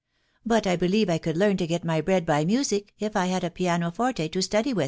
But I believe I could learn to $£\. wj \««ft^ music, if I had 4 piano forte to study nifit.''